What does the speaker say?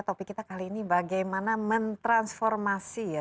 topik kita kali ini bagaimana mentransformasi ya